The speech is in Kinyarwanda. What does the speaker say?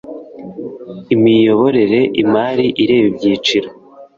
Imiyoborere imari ireba ibyiciro.